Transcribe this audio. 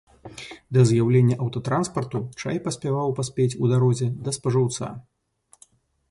Да з'яўлення аўтатранспарту чай паспяваў паспець у дарозе да спажыўца.